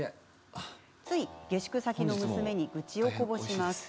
つい下宿先の娘に愚痴をこぼします。